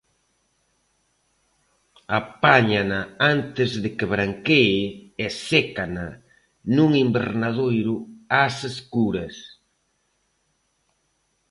Apáñana antes de que branquee e sécana nun invernadoiro ás escuras.